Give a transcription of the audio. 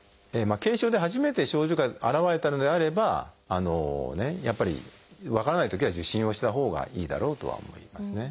軽症で初めて症状が現れたのであればやっぱり分からないときは受診をしたほうがいいだろうとは思いますね。